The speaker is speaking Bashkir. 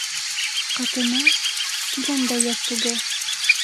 Ҡатының... килен дә йәш түге.